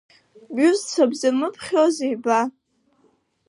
Бҩызцәа бзырмыԥхьозеи ба?